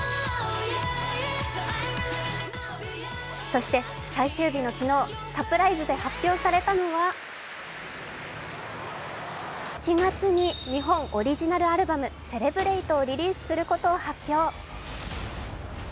そして最終日の昨日サプライズで発表されたのは７月に日本オリジナルアルバム「Ｃｅｌｅｂｒａｔｅ」をリリースすることを発表。